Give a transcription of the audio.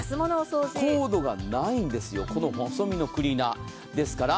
コードがないんですよ、この細身のクリーナー。